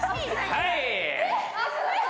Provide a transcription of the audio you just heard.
はい。